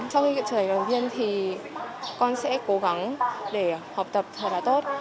sau khi trở thành đồng viên thì con sẽ cố gắng để học tập thật là tốt